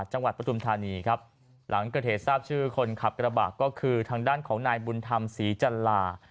ปฐุมธานีครับหลังเกิดเหตุทราบชื่อคนขับกระบะก็คือทางด้านของนายบุญธรรมศรีจันลา